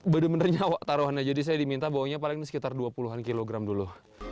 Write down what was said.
bener bener nyawa taruhannya jadi saya diminta bawanya paling sekitar dua puluh an kilogram dulu